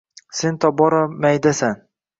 Сен тобора майдасан